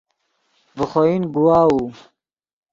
ڤے خوئن گواؤو